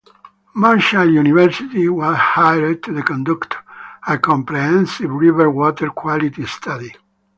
Marshall University was hired to conduct a comprehensive river water quality study.